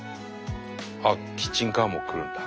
あっキッチンカーも来るんだ。